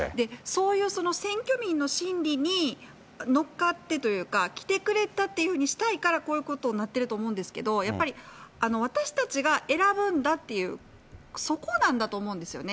そういう選挙民の心理に乗っかってというか、来てくれたっていうふうにしたいから、こういうことになってると思うんですけれども、やっぱり、私たちが選ぶんだっていう、そこなんだと思うんですよね。